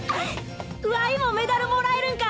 わいもメダルもらえるんか？